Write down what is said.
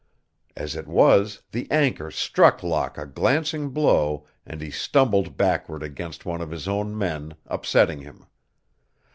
As it was, the anchor struck Locke a glancing blow and he stumbled backward against one of his own men, upsetting him.